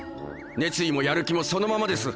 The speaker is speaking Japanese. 熱意もやる気もそのままです！